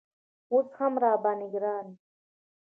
اوس هم راباندې ګران یې